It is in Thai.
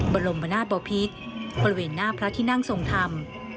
บรมนาศบพิษบริเวณหน้าพระที่นั่งทรงธรรม